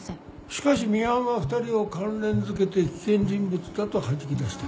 しかしミハンは２人を関連付けて危険人物だとはじき出した。